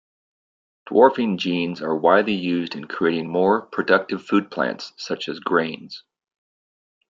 Dwarfing genes are widely used in creating more productive food plants, such as grains.